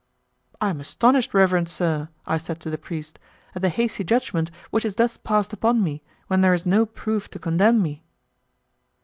"I am astonished, reverend sir," I said to the priest, "at the hasty judgment which is thus passed upon me, when there is no proof to condemn me."